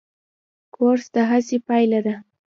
کورس د هڅې پایله ده.